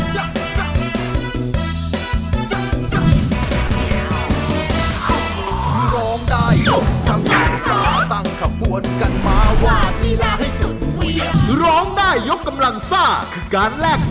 ยังไม่ได้ทำอะไรครับ